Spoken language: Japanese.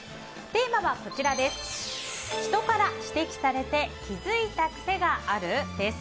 テーマは、人から指摘されて気づいた癖がある？です。